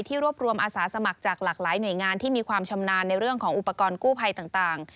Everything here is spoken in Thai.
รวบรวมอาสาสมัครจากหลากหลายหน่วยงานที่มีความชำนาญในเรื่องของอุปกรณ์กู้ภัยต่าง